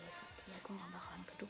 kalau udah setia gue gak bakalan kedukun